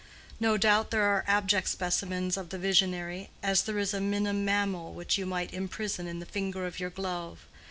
No doubt there are abject specimens of the visionary, as there is a minim mammal which you might imprison in the finger of your glove.